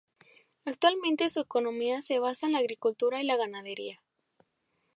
Actualmente su economía se basa en la agricultura y la ganadería.